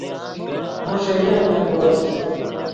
مو ݰئیلے رنگن دورز